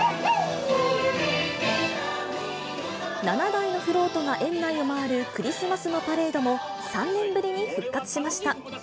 ７台のフロートが園内を回るクリスマスのパレードも３年ぶりに復活しました。